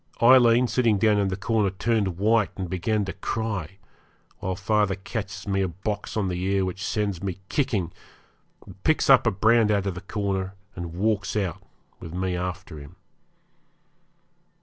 Aileen, sitting down in the corner, turned white, and began to cry, while father catches me a box on the ear which sends me kicking, picks up the brand out of the corner, and walks out, with me after him.